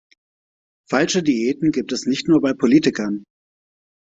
Falsche Diäten gibt es nicht nur bei Politikern.